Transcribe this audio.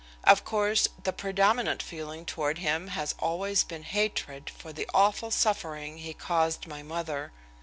Of course, the predominant feeling toward him has always been hatred for the awful suffering he caused my mother.